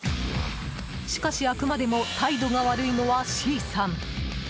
しかし、あくまでも態度が悪いのはＣさん。